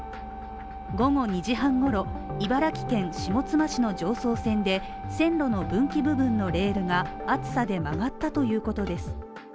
午後２時半ごろ、茨城県下妻市の常総線で線路の分岐部分のレールが暑さで曲がったということです。